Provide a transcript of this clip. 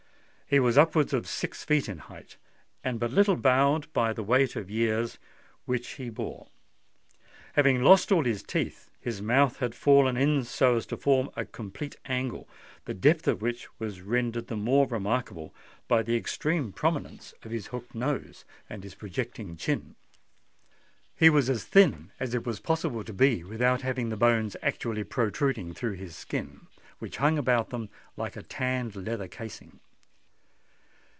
He was upwards of six feet in height, and but little bowed by the weight of years which he bore. Having lost all his teeth, his mouth had fallen in so as to form a complete angle, the depth of which was rendered the more remarkable by the extreme prominence of his hooked nose and his projecting chin. He was as thin as it was possible to be without having the bones actually protruding through the skin, which hung upon them like a tanned leather casing.